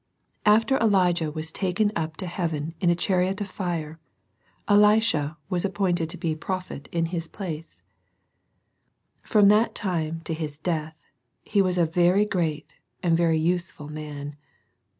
After Elijah was taken up to heaven in a chariot of fire, Elisha was appointed tp be prophet in his place. THE TWO BEARS. 3 From that time to his death he was a very great and a very useful man.